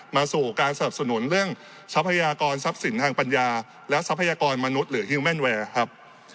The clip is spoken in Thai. มาสู่การสนับสนุนเรื่องทรัพยากรทรัพย์สินทางปัญญาและทรัพยากรมนุษย์หรือฮิวแม่นแวร์ครับ